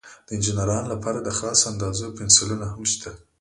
د انجینرانو لپاره د خاصو اندازو پنسلونه هم شته.